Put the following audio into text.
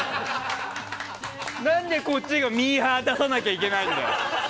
なんでこっちがミーハーを出さなきゃいけないんだよ。